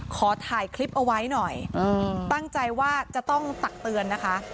ขอถ่ายคลิปเอาไว้หน่อยตั้งใจว่าจะต้องตักเตือนนะคะ